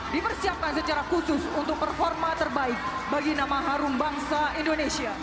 dipersiapkan secara khusus untuk performa terbaik bagi nama harum bangsa indonesia